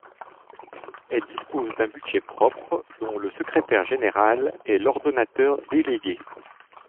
Elle dispose d’un budget propre dont le secrétaire général est l’ordonnateur délégué.